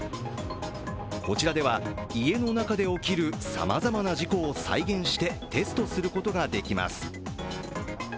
こちらでは家の中で起きるさまざまな事故を再現してテストすることができます。